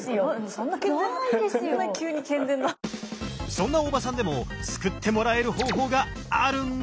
そんな大場さんでも救ってもらえる方法があるんです！